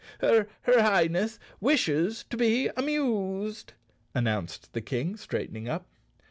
"Her Highness wishes to be amused," announced the King, straightening up.